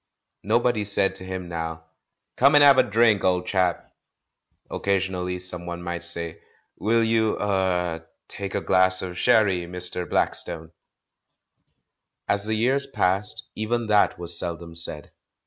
Nobody said to him now, "Come and have a drink, old chap!" Occasionally someone might say, "Will you — er — take a glass of sherry, INIr. Black stone ?" As the years passed, even that was seldom said.